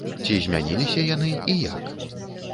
Ці змяніліся яны, і як?